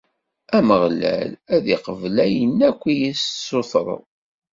Ameɣlal ad d-iqbel ayen akk i as-tessutureḍ.